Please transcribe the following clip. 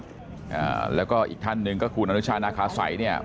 อ่าแล้วก็อีกท่านหนึ่งก็คือคุณอนุชานาคาสัยเนี่ย